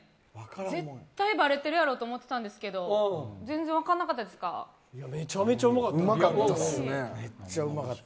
絶対ばれてるやろって思ったんですけどめちゃめちゃうまかった。